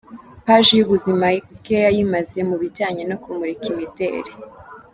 Paji y’ubuzima bwe yayimaze mu bijyanye no kumurika imideli.